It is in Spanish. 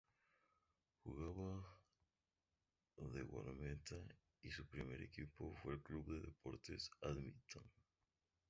Jugaba de guardameta y su primer equipo fue el Club de Deportes Badminton.